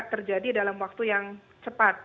terjadi dalam waktu yang cepat